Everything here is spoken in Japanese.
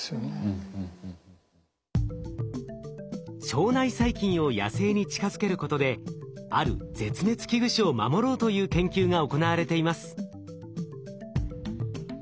腸内細菌を野生に近づけることである絶滅危惧種を守ろうという研究が行われています。